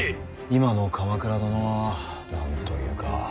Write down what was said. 今の鎌倉殿は何と言うか。